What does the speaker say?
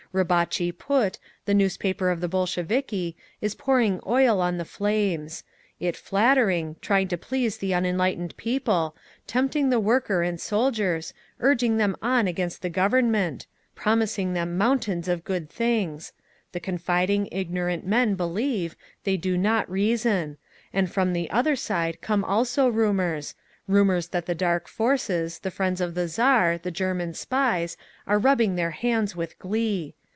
Rabotchi Put, the newspaper of the Bolsheviki, is pouring oil on the flames: it flattering, trying to please the unenlightened people, tempting the worker and soldiers, urging them on against the Government, promising them mountains of good things…. The confiding, ignorant men believe, they do not reason…. And from the other side come also rumours—rumours that the Dark Forces, the friends of the Tsar, the German spies, are rubbing their hands with glee.